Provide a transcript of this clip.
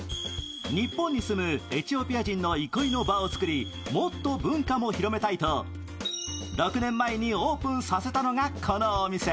日本に住むエチオピア人の憩いの場を作りもっと文化も広めたいと６年前にオープンさせたのがこのお店。